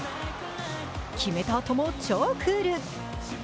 決めたあとも超クール。